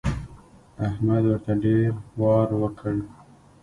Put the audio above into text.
احمد ورته ډېر وار وکړ.